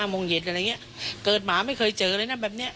โมงเย็นอะไรอย่างนี้เกิดหมาไม่เคยเจอเลยนะแบบนี้